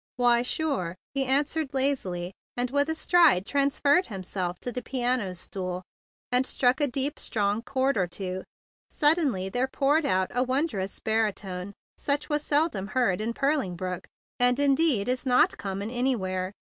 "Why, sure!" he answered lazily, and with a stride transferred himself to the piano stool and struck a deep, strong chord or two. Suddenly there poured forth a wondrous barytone such as was seldom heard in Purling Brook, and indeed is not common anywhere.